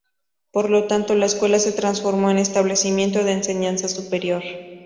Por lo tanto, la Escuela se transformó en Establecimiento de Enseñanza Superior.